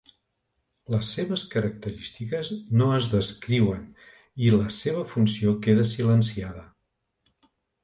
Les seves característiques no es descriuen i la seva funció queda silenciada.